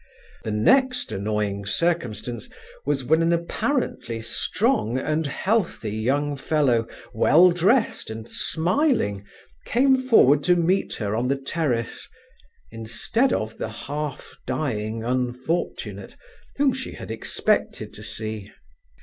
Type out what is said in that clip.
The next annoying circumstance was when an apparently strong and healthy young fellow, well dressed, and smiling, came forward to meet her on the terrace, instead of the half dying unfortunate whom she had expected to see.